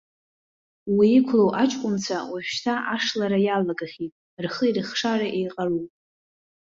Уи иқәлоу аҷкәынцәа уажәшьҭа ашлара иалагахьеит, рхи рыхшареи еиҟароуп.